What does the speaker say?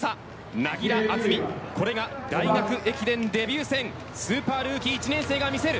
柳樂あずみ、これが大学駅伝デビュー戦スーパールーキー１年生が見せる。